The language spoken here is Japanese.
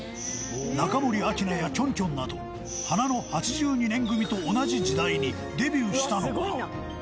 中森明菜やキョンキョンなど花の８２年組と同じ時代にデビューしたのが。